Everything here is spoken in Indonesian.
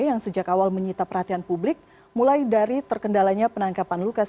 yang sejak awal menyita perhatian publik mulai dari terkendalanya penangkapan lukas